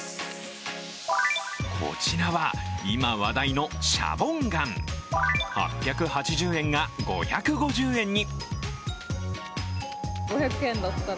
こちらは今話題のシャボンガン、８８０円が５５０円に。